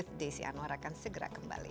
insight with desi anwar akan segera kembali